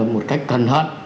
một cách cẩn thận